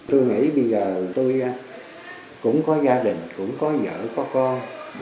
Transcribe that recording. tôi nghĩ bây giờ tôi cũng có gia đình cũng có vợ có con